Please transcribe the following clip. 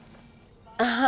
ああ。